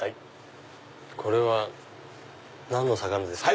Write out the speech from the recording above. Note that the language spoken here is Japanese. これは何の魚ですか？